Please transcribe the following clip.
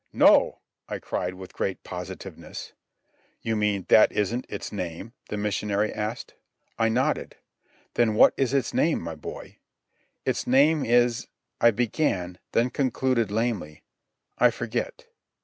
"No!" I cried with great positiveness. "You mean that isn't its name?" the missionary asked. I nodded. "Then what is its name, my boy?" "It's name is ..." I began, then concluded lamely, "I, forget."